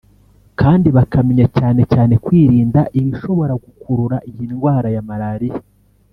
kandi bakamenya cyane cyane kwirinda ibishobora gukurura iyi ndwara ya malaria